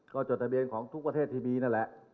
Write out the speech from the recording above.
ก็จดทะเบียนของทุกประเทศที่มีนั่นแหละ